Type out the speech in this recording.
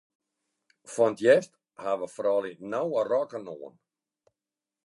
Fan 't hjerst hawwe froulju nauwe rokken oan.